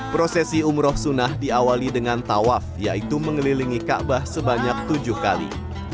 prosesi umroh sunnah diawali dengan tawaf yaitu mengelilingi kaabah sebanyak tujuh kali